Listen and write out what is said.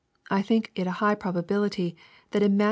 I think it a high probability that in Matt.